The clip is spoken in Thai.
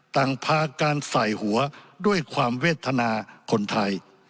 พาการใส่หัวด้วยความเวทนาคนไทย